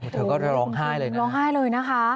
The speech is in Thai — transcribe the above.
เธอก็ร้องไห้เลยนะร้องไห้เลยนะคะ